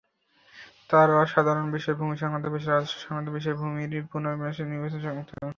তারা সাধারণ বিষয়, ভূমি সংক্রান্ত বিষয়, রাজস্ব সংক্রান্ত বিষয়, ভূমির পুনর্বিন্যাস এবং নির্বাচন সংক্রান্ত বিষয়ে হস্তক্ষেপ করেন।